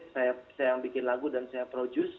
saya yang bikin lagu dan saya produce